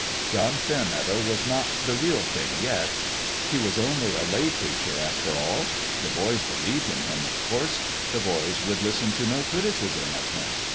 John Fairmeadow was not the " real thing " yet. He was only a lay preacher, after all. The boys believed in him, of course : the boys would listen to no criticism of him.